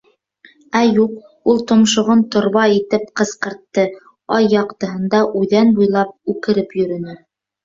Ә юҡ, ул томшоғон торба итеп ҡысҡыртты, ай яҡтыһында үҙән буйлап үкереп йөрөнө.